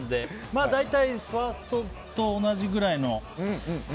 まあ、大体ファーストと同じくらいの。